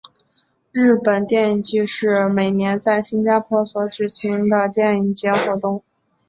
日本电影祭是每年在新加坡所举行的电影节活动。